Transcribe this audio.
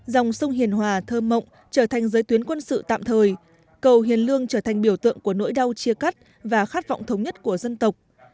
dòng sông hiền hòa thơm mộng trở thành giới tuyến quân sự tạm thời cầu hiền lương trở thành biểu tượng của nỗi đau chia cắt và khát vọng thống nhất của dân tộc